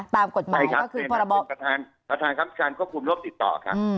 ตามกฎหมายก็คือประทานควบคุมโลกติดต่อค่ะ